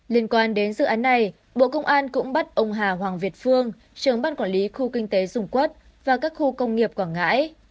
liên quan đến dự án này bộ công an cũng bắt ông hà hoàng việt phương trưởng ban quản lý khu kinh tế dung quốc và các khu công nghiệp quảng ngãi